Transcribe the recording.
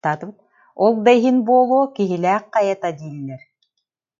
Ол да иһин буолуо, Киһилээх хайата дииллэр